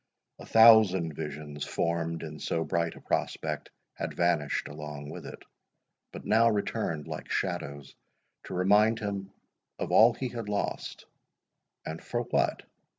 A thousand visions, formed in so bright a prospect, had vanished along with it, but now returned like shadows, to remind him of all he had lost—and for what?